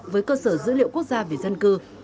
với cơ sở dữ liệu quốc gia về dân cư